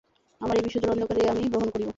আমার এই বিশ্বজোড়া অন্ধকার, এ আমিই বহন করিব।